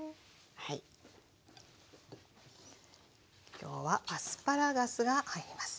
今日はアスパラガスが入ります。